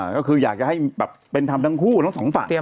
ก็คืออยากจะให้แบบเป็นธรรมทั้งคู่ทั้งสองฝั่ง